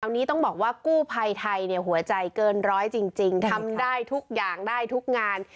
อันนี้ต้องบอกว่ากู้ภัยไทยเนี่ยหัวใจเกินร้อยจริงทำได้ทุกอย่างได้ทุกงาน